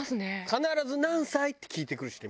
必ず「何歳？」って聞いてくるしね